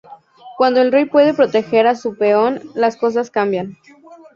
Cuando el rey puede proteger a su peón las cosas cambian.